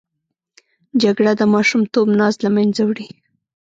جګړه د ماشومتوب ناز له منځه وړي